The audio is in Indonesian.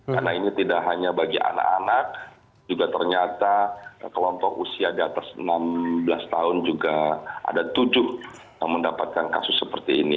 karena ini tidak hanya bagi anak anak juga ternyata kelompok usia di atas enam belas tahun juga ada tujuh yang mendapatkan kasus seperti ini